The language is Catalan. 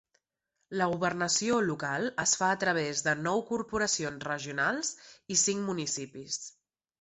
La governació local es fa a través de nou Corporacions Regionals i cinc municipis.